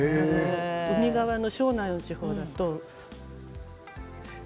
海側の庄内地方だとね。